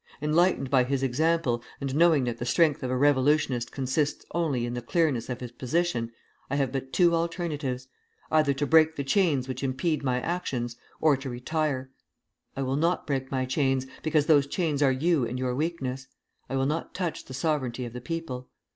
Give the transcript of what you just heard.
Enlightened by his example, and knowing that the strength of a revolutionist consists only in the clearness of his position, I have but two alternatives, either to break the chains which impede my actions, or to retire. I will not break my chains, because those chains are you and your weakness. I will not touch the sovereignty of the people.